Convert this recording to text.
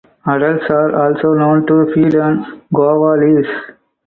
Adults are also known to feed on guava leaves.